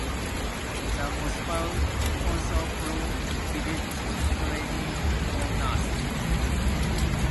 The hospital also provided training for nurses.